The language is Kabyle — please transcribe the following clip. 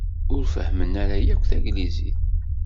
Ur fehhmen ara yakk taglizit.